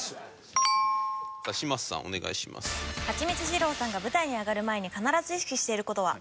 二郎さんが舞台に上がる前に必ず意識している事は？